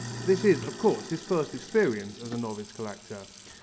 This is, of course, his first experiment as a novice collector.